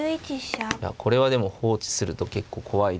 これはでも放置すると結構怖いですよ。